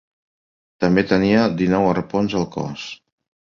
També tenia dinou arpons al cos.